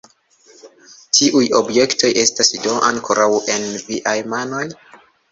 Tiuj objektoj estas do ankoraŭ en viaj manoj?